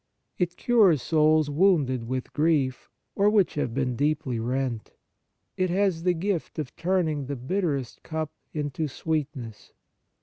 It cures souls wounded with grief, or which have been deeply rent. It has the gift of turning the bitterest cup into sweetness.